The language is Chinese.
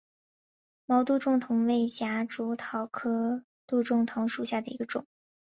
毛杜仲藤为夹竹桃科杜仲藤属下的一个种。